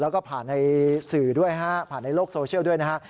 แล้วก็ผ่านในสื่อด้วยฮะผ่านในโลกโซเชียลด้วยนะฮะ